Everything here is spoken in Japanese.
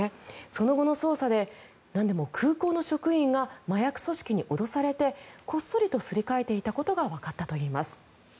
その後の捜査でなんでも空港の職員が麻薬組織に脅されて、こっそりとすり替えていたことがわかったといいます。